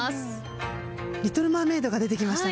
『リトル・マーメイド』が出てきましたね。